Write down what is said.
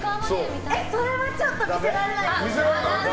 それはちょっと見せられないかな。